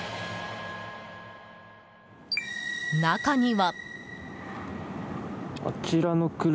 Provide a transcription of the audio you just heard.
中には。